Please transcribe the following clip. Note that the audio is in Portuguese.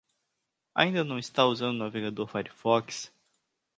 Ainda não está usando o navegador Firefox?